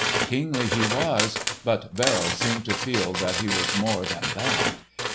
Kingly he was, but Verrill seemed to feel that he was more than that.